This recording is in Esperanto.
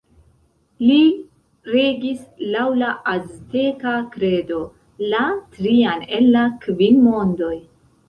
Li regis, laŭ la azteka kredo, la trian el la kvin mondoj.